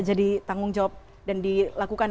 jadi tanggung jawab dan dilakukan